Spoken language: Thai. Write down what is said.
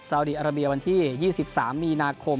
สาวดีอาราเบียวันที่๒๓มีนาคม